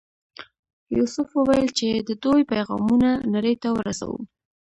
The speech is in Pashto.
یوسف وویل چې د دوی پیغامونه نړۍ ته ورسوو.